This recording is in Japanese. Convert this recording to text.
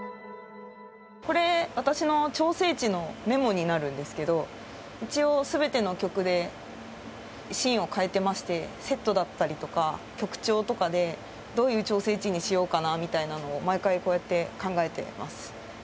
これ私の調整値のメモになるんですけど一応全ての曲でシーンを変えてましてセットだったりとか曲調とかでどういう調整値にしようかなみたいなのを毎回こうやって考えてます。